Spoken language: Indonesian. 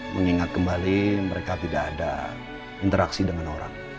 mengingat kembali mereka tidak ada interaksi dengan orang